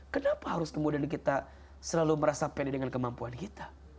kenapa harus kemudian kita selalu merasa pede dengan kemampuan kita